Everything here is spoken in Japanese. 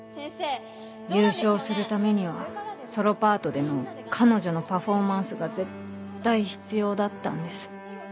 優勝するためにはソロパートでの彼女のパフォーマンスが絶対必要だったんです。